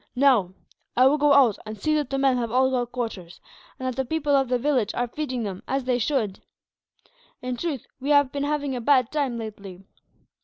"Now, I will go out and see that the men have all got quarters, and that the people of the village are feeding them, as they should. In truth, we have been having a bad time, lately."